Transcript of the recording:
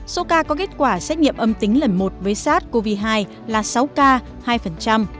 số ca có kết quả xét nghiệm âm tính lần một với sars cov hai là sáu ca hai